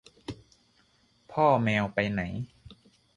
พ่อแมวไปไหน